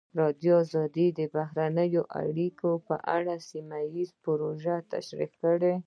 ازادي راډیو د بهرنۍ اړیکې په اړه سیمه ییزې پروژې تشریح کړې.